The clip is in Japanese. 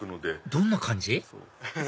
どんな感じ？